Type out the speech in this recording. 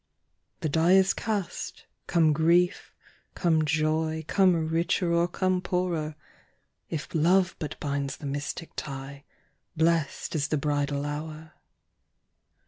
The die is cast, come grief, come joy. Corne richer, or come poorer, If love but binds the mystic tie, Blest is the bridal hour.